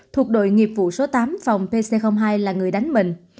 thuộc đội nghiệp vụ số tám phòng pc hai là người đánh mình